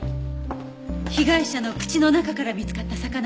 被害者の口の中から見つかった魚の幼生ね。